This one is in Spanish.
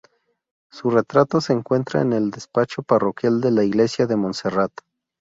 Su retrato se encuentra en el despacho parroquial de la Iglesia de Monserrat